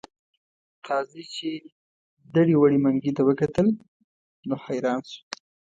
قاضي چې دړې وړې منګي ته وکتل نو حیران شو.